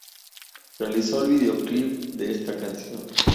Realizó el videoclip de esa canción.